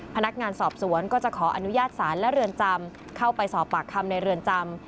พนักงานสอบสวนก็จะขออนุญาตศาลและเรือนจำเข้าไปสอบปากคำในเรือนจำ